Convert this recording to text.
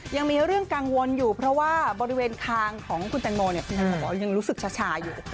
ยังมีเรื่องกังวลอยู่เพราะว่าบริเวณคางของคุณแตงโมเนี่ยคุณแตงโมยังรู้สึกชาอยู่